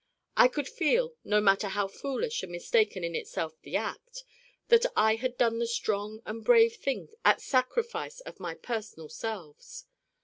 I could feel, no matter how foolish and mistaken in itself the act, that I had done the strong and brave thing at sacrifice of my personal selves.